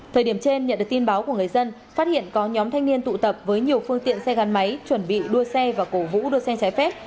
thời điểm trên nhận được tin báo của người dân phát hiện có nhóm thanh niên tụ tập với nhiều phương tiện xe gắn máy chuẩn bị đua xe và cổ vũ đua xe trái phép